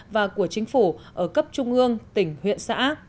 và của chính phủ ở cấp trung ương tỉnh huyện xã